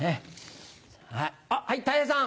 はいたい平さん。